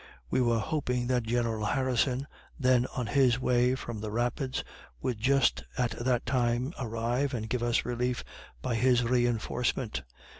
We were hoping that General Harrison, then on his way from the Rapids, would just at that time arrive and give us relief by his reinforcement.